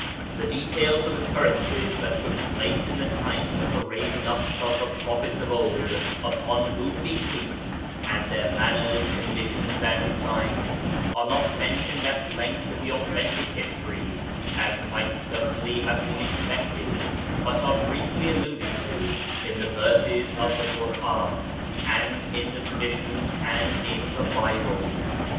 The details of occurrences that took place in the times of the raising up of the prophets of old (upon whom be peacel) , and their manners, condi tions and signs, are not mentioned at length in the authentic histories, as might certainly have been expected, but are briefly alluded to in the verses of the Quran and in traditions and in the Bible.